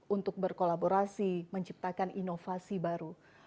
untuk berkolaborasi menciptakan inovasi baru